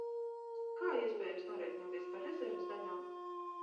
Kā iespējams norēķināties par rezerves daļām?